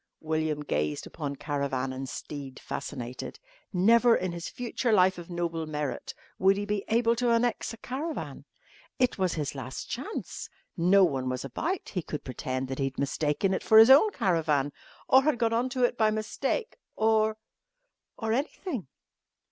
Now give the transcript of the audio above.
William gazed upon caravan and steed fascinated. Never, in his future life of noble merit, would he be able to annex a caravan. It was his last chance. No one was about. He could pretend that he had mistaken it for his own caravan or had got on to it by mistake or or anything.